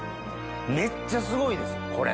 めっちゃすごいですこれ。